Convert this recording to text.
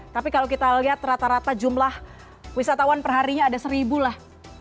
tapi kalau kita lihat rata rata jumlah wisatawan perharinya ada seribu lah